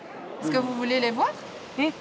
えっ？